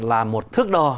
là một thước đo